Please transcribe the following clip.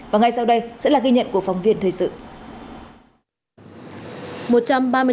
và ngay sau đây sẽ là ghi nhận của phóng viên thời sự